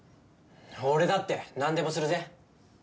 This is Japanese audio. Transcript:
俺だってなんでもするぜ。